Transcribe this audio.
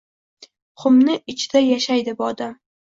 Xumni ichida yashiydi bu odam.